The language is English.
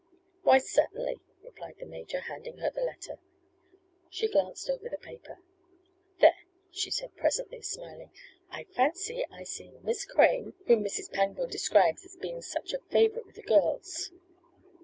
"Why, certainly," replied the major, handing her the letter. She glanced over the paper. "There," she said presently, smiling. "I fancy I see Miss Crane, whom Mrs. Pangborn describes as being such a favorite with the girls.